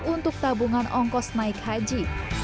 untuk tabungan ongkos naik haji